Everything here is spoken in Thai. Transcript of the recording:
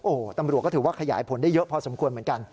โอ้โหตำรวจก็ถือว่าขยายผลได้เยอะพอสมควรเหมือนกัน